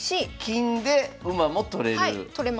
金で馬も取れる。